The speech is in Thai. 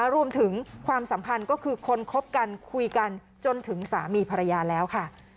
รวมถึงความสัมพันธ์ก็คือคนคบกันคุยกันจนถึงสามีภรรยาแล้วค่ะ